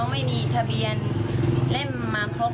ไม่มีเข้าถ้าทะเบียนเล่มครบ